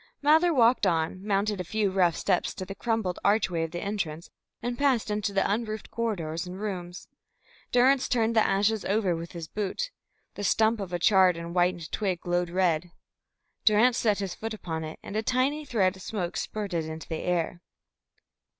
Mather walked on, mounted a few rough steps to the crumbled archway of the entrance, and passed into the unroofed corridors and rooms. Durrance turned the ashes over with his boot. The stump of a charred and whitened twig glowed red. Durrance set his foot upon it, and a tiny thread of smoke spurted into the air.